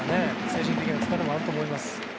精神的な疲れもあると思います。